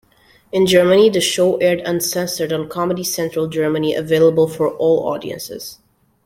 In Germany, the show aired uncensored on Comedy Central Germany available for all audiences.